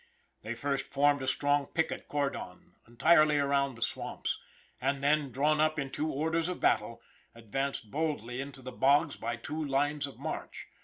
They first formed a strong picket cordon entirely around the swamps, and then, drawn up in two orders of battle, advanced boldly into the bogs by two lines of march.